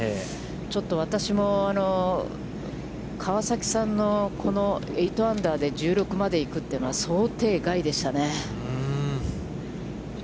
ちょっと私も川崎さんの８アンダーで１６まで行くというのは、想定外でしたね。